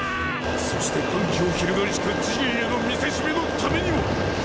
そして反旗を翻したジギーへの見せしめのためにも！